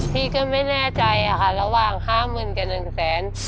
พี่ก็ไม่แน่ใจค่ะระหว่างห้าหมื่นกันหนึ่งแสน